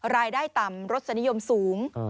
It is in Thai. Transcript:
รายได้ต่ำรสนิยมสูง